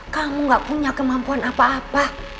kamu gak punya kemampuan apa apa